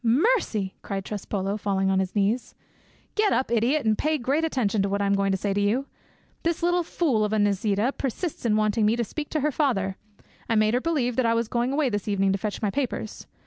"Mercy!" cried Trespolo, falling on his knees. "Get up, idiot, and pay great attention to what I am going to say to you. This little fool of a Nisida persists in wanting me to speak to her father. I made her believe that I was going away this evening to fetch my papers.